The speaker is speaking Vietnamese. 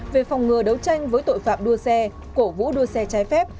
về phòng ngừa đấu tranh với tội phạm đua xe cổ vũ đua xe trái phép